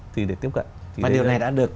thì để tiếp cận và điều này đã được